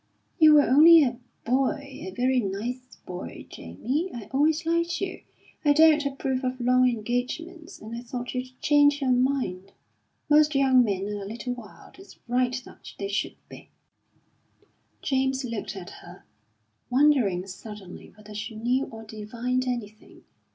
"You were only a boy a very nice boy, Jamie. I always liked you. I don't approve of long engagements, and I thought you'd change your mind. Most young men are a little wild; it's right that they should be." James looked at her, wondering suddenly whether she knew or divined anything.